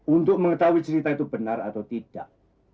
untuk mengetahui cerita itu benar atau tidak